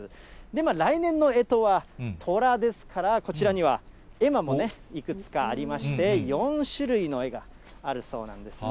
来年のえとは寅ですから、こちらには絵馬もいくつかありまして、４種類の絵があるそうなんですね。